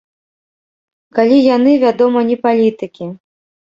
Калі яны, вядома, не палітыкі.